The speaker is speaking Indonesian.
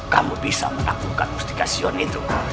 kamu bisa menaklukkan musikasi on itu